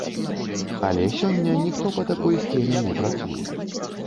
Але сёння ніхто па такой схеме не працуе.